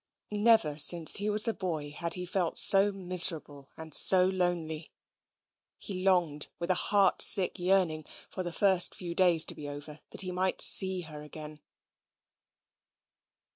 Never since he was a boy had he felt so miserable and so lonely. He longed with a heart sick yearning for the first few days to be over, that he might see her again.